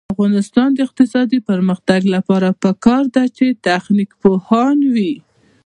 د افغانستان د اقتصادي پرمختګ لپاره پکار ده چې تخنیک پوهان وي.